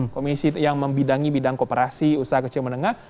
komisi yang membidangi bidang kooperasi usaha kecil menengah